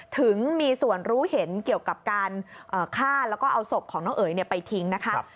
ถึงมีส่วนรู้เห็นเกี่ยวกับการฆ่าแล้วก็เอาศพของน้องเอ๋ยไปทิ้งนะคะ